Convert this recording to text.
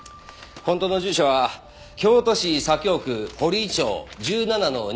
本当の住所は京都市左京区堀井町１７の２０１です。